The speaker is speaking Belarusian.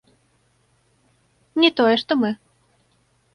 Не тое што мы!